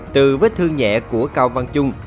từ vết thương nhẹ của cao văn trung